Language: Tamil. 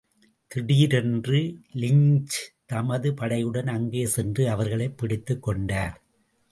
திடீரென்று லிஞ்ச் தமது படையுடன் அங்கே சென்று அவர்களைப் பிடித்துக் கொண்டார்.